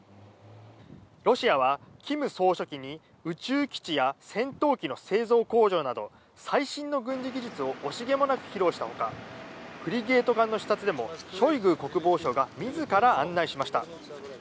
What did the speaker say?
ロシアは、金総書記に宇宙基地や戦闘機の製造工場など最新の軍事技術を惜しげもなく披露した他フリゲート艦の視察でもショイグ国防相が自ら案内しました。